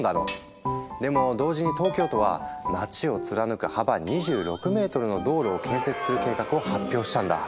でも同時に東京都は街を貫く幅２６ｍの道路を建設する計画を発表したんだ。